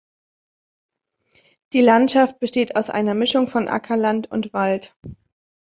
Die Landschaft besteht aus einer Mischung von Ackerland und Wald.